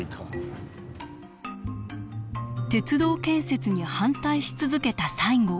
鉄道建設に反対し続けた西郷。